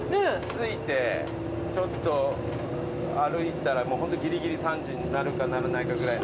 着いてちょっと歩いたらギリギリ３時になるかならないかぐらいなんで。